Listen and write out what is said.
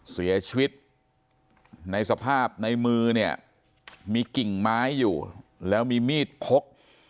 เสียชีวิตในสภาพในมือเนี่ยมีกิ่งไม้อยู่แล้วมีมีดพก